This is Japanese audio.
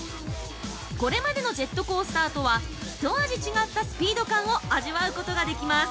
これまでのジェットコースターとは一味違ったスピード感を味わうことができます。